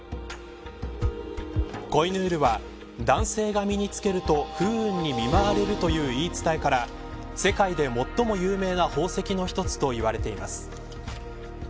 コイヌールは男性が身につけると不運に見舞われるという言い伝えから、世界で最も有名な宝石の一つといわれています。